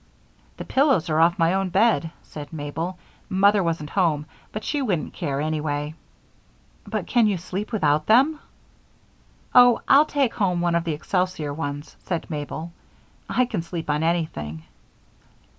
"The pillows are off my own bed," said Mabel. "Mother wasn't home, but she wouldn't care, anyway." "But can you sleep without them?" "Oh, I'll take home one of the excelsior ones," said Mabel. "I can sleep on anything."